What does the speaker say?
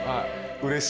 うれしい。